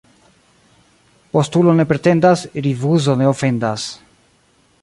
Postulo ne pretendas, rifuzo ne ofendas.